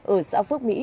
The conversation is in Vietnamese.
ở xã phước mỹ